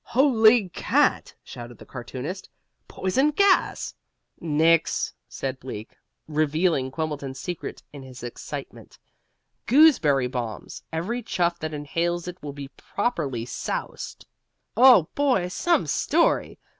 "Holy cat!" shouted the cartoonist "Poison gas!" "Nix!" said Bleak, revealing Quimbleton's secret in his excitement. "Gooseberry bombs. Every chuff that inhales it will be properly soused. Oh, boy, some story!